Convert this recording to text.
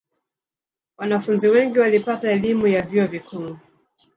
wanafunzi wengi walipata elimu ya vyuo vikuu